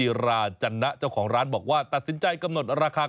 ที่เขานะครับอะยังได้ใช้เพลินได้ครับ